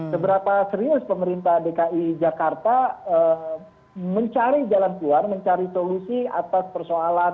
seberapa serius pemerintah dki jakarta mencari jalan keluar mencari solusi atas persoalan